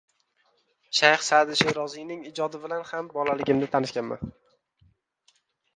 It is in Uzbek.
Shayh Saʼdiy Sheroziyning ijodi bilan ham bolaligimda tanishganman.